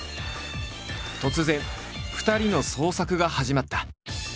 突然２人の創作が始まった。